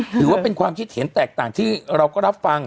ถือว่าเป็นความคิดเห็นแตกต่างที่เราก็รับฟัง